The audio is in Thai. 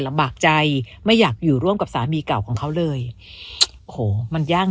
ลำบากใจไม่อยากอยู่ร่วมกับสามีเก่าของเขาเลยโอ้โหมันยาก